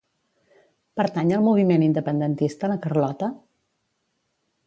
Pertany al moviment independentista la Carlota?